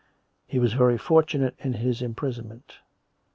He was very fortunate in his imprisonment.